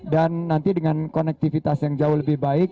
dan nanti dengan konektivitas yang jauh lebih baik